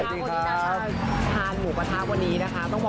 อุ๊ยขออนุญาตนะคะ